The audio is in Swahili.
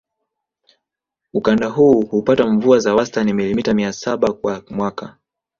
Ukanda huu hupata mvua za wastani milimita mia saba kwa mwaka